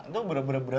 itu berarti gue bohong